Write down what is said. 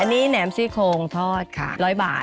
อันนี้แหนมซี่โคงทอดค่ะ๑๐๐บาท